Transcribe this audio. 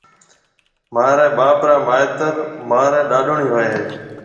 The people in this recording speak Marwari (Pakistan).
مهاريَ ٻاپ را مائيتر مهاريَ ڏاڏوڻِي هوئيَ هيَ۔